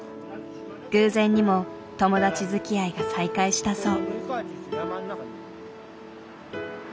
偶然にも友達づきあいが再開したそう。